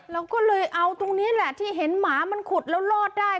เราก็เลยเอาตรงนี้แหละที่เห็นหมามันขุดแล้วรอดได้